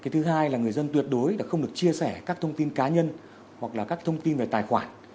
thứ hai là người dân tuyệt đối không được chia sẻ các thông tin cá nhân hoặc là các thông tin về tài khoản